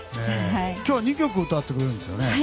今日は２曲歌ってくれるんですよね。